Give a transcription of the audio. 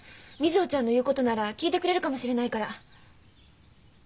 瑞穂ちゃんの言うことなら聞いてくれるかもしれないから。